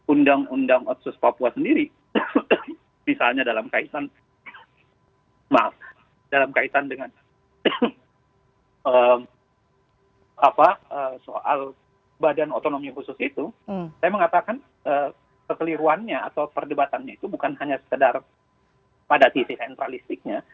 undang undang otsus papua sendiri misalnya dalam kaitan dengan soal badan otonomi khusus itu saya mengatakan kekeliruannya atau perdebatannya itu bukan hanya sekedar pada sisi sentralistiknya